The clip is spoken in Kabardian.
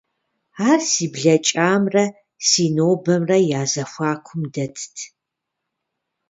Ар си блэкӀамрэ си нобэмрэ я зэхуакум дэтт.